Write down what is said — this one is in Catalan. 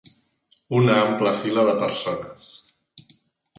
Una ampla fila de persones.